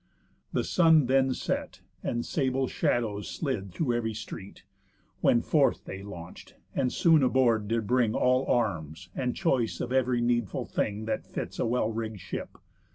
The sun then set, And sable shadows slid through ev'ry street, When forth they launch'd, and soon aboard did bring All arms, and choice of ev'ry needful thing That fits a well rigg'd ship.